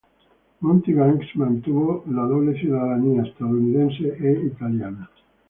Monty Banks mantuvo la doble ciudadanía, estadounidense e italiana.